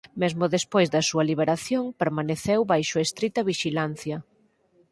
Mesmo despois da súa liberación permaneceu baixo estrita vixilancia